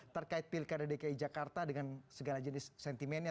terkait pilkada dki jakarta dengan segala jenis sentimennya